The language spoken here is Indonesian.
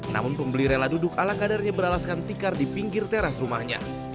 namun pembeli rela duduk ala kadarnya beralaskan tikar di pinggir teras rumahnya